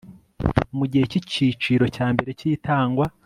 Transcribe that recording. mu gihe cy icyiciro cya mbere cy itangwa